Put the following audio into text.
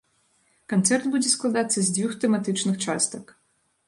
Канцэрт будзе складацца з дзвюх тэматычных частак.